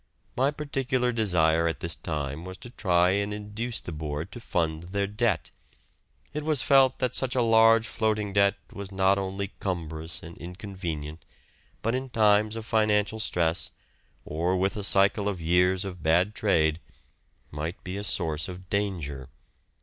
My particular desire at this time was to try and induce the Board to fund their debt. It was felt that such a large floating debt was not only cumbrous and inconvenient, but in times of financial stress, or with a cycle of years of bad trade, might be a source of danger.